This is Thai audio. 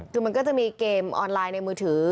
คือมันก็จะมีเกมออนไลน์ในมือถือ